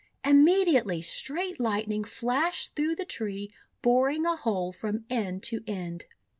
Immediately Straight Lightning flashed through the tree, boring a hole from end to end.